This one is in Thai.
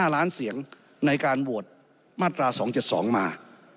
๕ล้านเสียงในการโหวตมาตรา๒๗๒มา